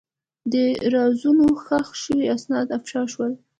د رازونو ښخ شوي اسناد افشا شول.